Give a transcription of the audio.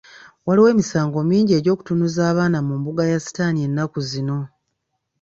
Waliwo emisango mingi egy'okutunuza abaana mu mbuga ya sitaani ennaku zino.